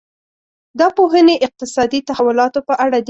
دا پوهنې اقتصادي تحولاتو په اړه دي.